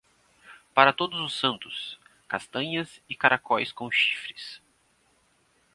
Para todos os santos, castanhas e caracóis com chifres.